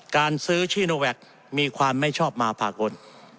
การซื้อชีโนแวคมีความไม่ชอบมาพากล